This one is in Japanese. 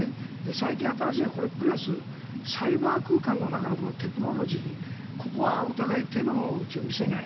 最近新しいのはこれにプラスサイバー空間の中にあるテクノロジーはお互い、手の内を見せない。